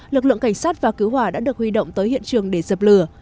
lực lượng cảnh sát và cứu hỏa đã được huy động tới hiện trường để dập lửa